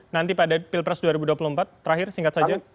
nanti pada pilpres dua ribu dua puluh empat terakhir singkat saja